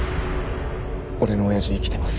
俺の親父生きてます。